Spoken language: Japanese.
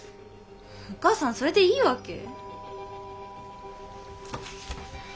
お母さんそれでいいわけ？